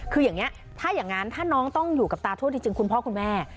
คืออย่างนี้ถ้าอย่างนั้นถ้าน้องต้องอยู่กับตาโทษจริงคุณพ่อคุณแม่